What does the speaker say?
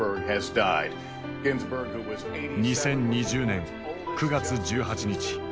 ２０２０年９月１８日。